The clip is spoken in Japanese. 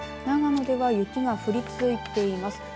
長野では雪が降り続いています。